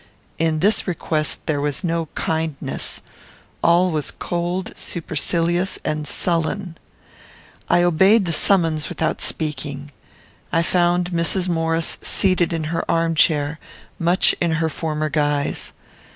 In this request there was no kindness. All was cold, supercilious, and sullen. I obeyed the summons without speaking. I found Mrs. Maurice seated in her arm chair, much in her former guise.